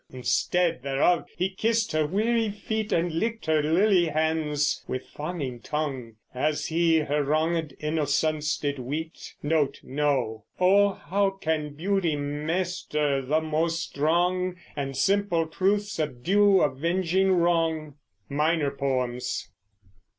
Instead thereof he kist her wearie feet, And lickt her lilly hands with fawning tong; As he her wrongéd innocence did weet. O how can beautie maister the most strong, And simple truth subdue avenging wrong! MINOR POEMS.